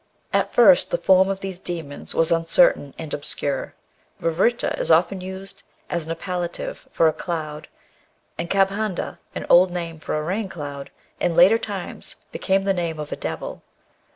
At first the form of these daemons was uncertain and obscure. Vritra is often used as an appellative for a cloud, and kabhanda, an old name for a rain cloud, in later times became the name of a devil.